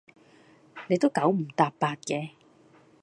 你都九唔搭八嘅